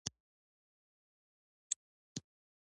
يوه ورځ یې بت په دیوال وواهه او مات شو.